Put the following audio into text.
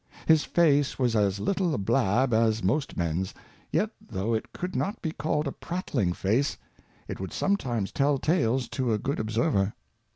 His Face was as little a Blab as most Mens, yet though it could not be called a prattling Face, it would some times tell Tales to a good Observer.